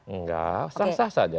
enggak sah sah saja